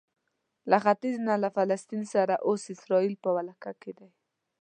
له ختیځ نه له فلسطین سره چې اوس اسراییل په ولکه کې دی.